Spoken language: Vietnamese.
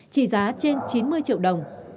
trị giá trên chín mươi triệu đồng